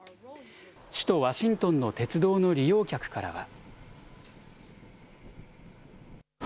首都ワシントンの鉄道の利用客からは。